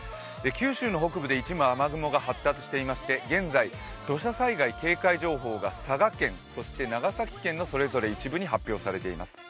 九州の北部で一部雨雲が発達していまして、現在、土砂災害警戒情報が佐賀県、そして長崎県のそれぞれ一部に発表されています。